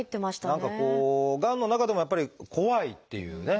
何かこうがんの中でもやっぱり怖いっていうね